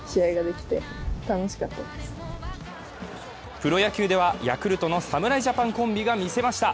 プロ野球ではヤクルトの侍ジャパンコンビが見せました。